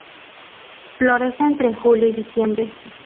Florece entre julio y diciembre.